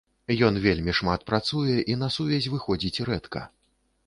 Ён вельмі шмат працуе і на сувязь выходзіць рэдка.